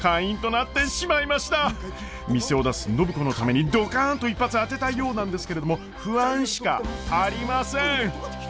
店を出す暢子のためにドカンと一発当てたいようなんですけれども不安しかありません！